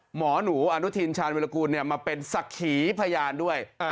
หมอหนูอนุทินชาญวิรากูลมาเป็นศักดิ์ขีพยานด้วย